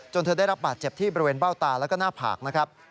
เธอได้รับบาดเจ็บที่บริเวณเบ้าตาแล้วก็หน้าผากนะครับ